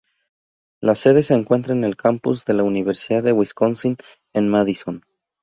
La sede se encuentra en el campus de la Universidad de Wisconsin, en Madison.